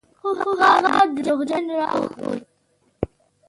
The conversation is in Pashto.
خو هغه دروغجن راوخوت.